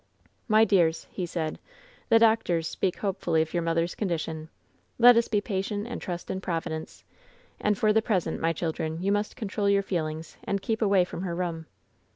"My dears," he said, "the doctors speak hopefully of your mother's condition. Let us be patient and trust in Providence; and for the present, my children, you must control your feelings and keep away from her room."